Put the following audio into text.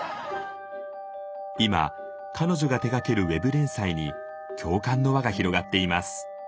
今彼女が手がけるウェブ連載に共感の輪が広がっています。